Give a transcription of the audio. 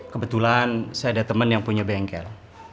kebetulan saya ada teman yang punya bengkel